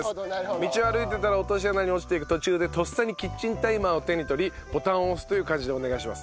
道を歩いてたら落とし穴に落ちていく途中でとっさにキッチンタイマーを手に取りボタンを押すという感じでお願いします。